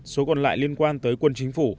số còn lại liên quan tới quân chính phủ